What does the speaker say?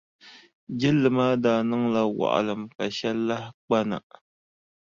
Jilli maa daa niŋla waɣilim ka shɛli lahi kpa na.